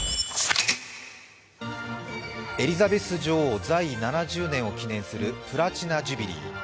エリザベス女王在位７０年を記念するプラチナ・ジュビリー。